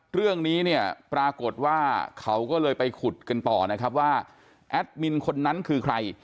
เรื่องนี้เนี่ยปรากฏว่าเขาก็เลยไปขุดกันต่อนะครับว่าแอดมินคนนั้นคือใคร